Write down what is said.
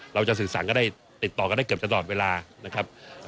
เราจะสื่อสารก็ได้ติดต่อกันได้เกือบจะตลอดเวลานะครับ